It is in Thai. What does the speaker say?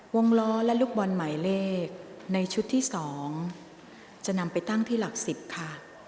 วงล้อและลูกบอลหมายเลขในชุดที่๒จะนำไปตั้งที่หลัก๑๐ค่ะ